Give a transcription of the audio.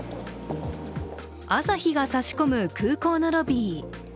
朝日が差し込む空港のロビー。